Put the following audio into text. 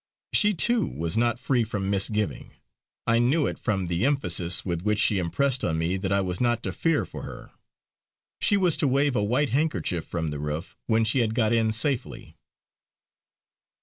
She too was not free from misgiving; I knew it from the emphasis with which she impressed on me that I was not to fear for her. She was to wave a white handkerchief from the roof when she had got in safely.